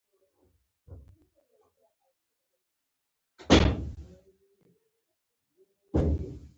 د بېټسمېن هدف زیات رنزونه جوړول دي.